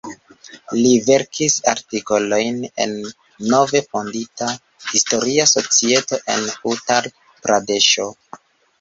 Li verkis artikolojn en nove fondita Historia Societo en Utar-Pradeŝo.